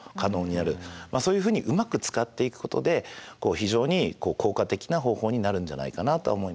まあそういうふうにうまく使っていくことで非常に効果的な方法になるんじゃないかなとは思います。